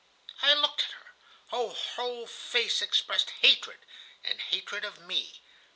"I looked at her. Her whole face expressed hatred, and hatred of me.